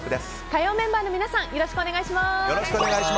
火曜メンバーのみなさんよろしくお願いします。